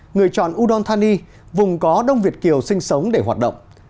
người chọn udon thani vùng có đông việt kiều sinh sống để hoạt động